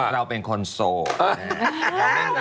เราเป็นคนโสด